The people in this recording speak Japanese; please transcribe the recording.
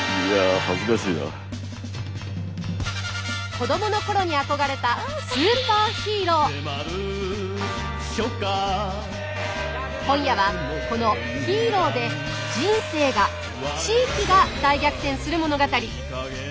子どもの頃に憧れた今夜はこのヒーローで人生が地域が大逆転する物語。